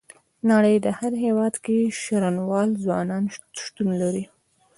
د نړۍ هر هيواد کې شرنوال ځوانان شتون لري.